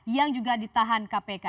yang juga ditahan kpk